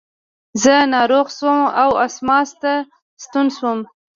زه ناروغ شوم او اسماس ته ستون شوم.